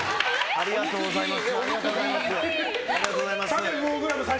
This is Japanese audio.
ありがとうございます。